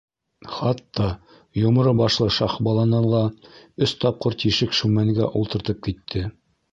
Хатта, йомро башлы Шаһбаланы ла өс тапҡыр тишек шүмәнгә ултыртып китте.